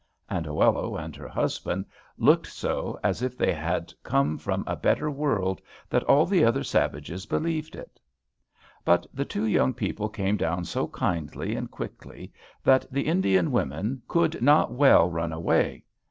and Oello and her husband looked so as if they had come from a better world that all the other savages believed it. But the two young people came down so kindly and quickly, that the Indian women could not well run away.